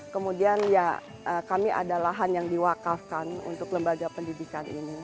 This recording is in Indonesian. kemudian ya kami ada lahan yang diwakafkan untuk lembaga pendidikan ini